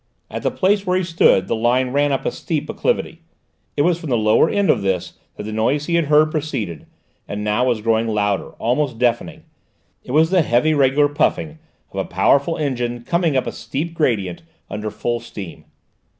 At the place where he stood the line ran up a steep acclivity. It was from the lower end of this that the noise he had heard proceeded, and now was growing louder, almost deafening. It was the heavy, regular puffing of a powerful engine coming up a steep gradient, under full steam.